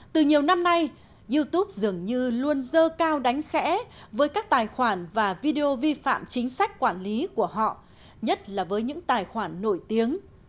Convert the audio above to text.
từ nhiều năm nay youtube dường như luôn dơ cao đánh khẽ với các tài khoản và video vi phạm chính sách quản lý của họ nhất là với những tài khoản nổi tiếng